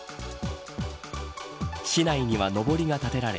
市内には、のぼりが立てられ